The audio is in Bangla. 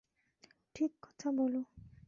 ঠিক কথা বল।